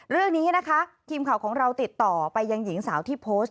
เรื่องนี้นะคะทีมข่าวของเราติดต่อไปยังหญิงสาวที่โพสต์